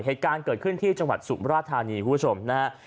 เหตุการณ์เกิดขึ้นที่จังหวัดสุมราชธานีคุณผู้ชมนะฮะ